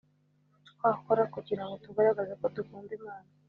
twakora kugira ngo tugaragaze ko dukunda imana